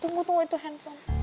tunggu tunggu itu handphone